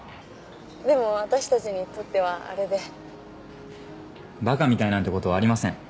でも私たちにとってはあれでバカみたいなんてことはありません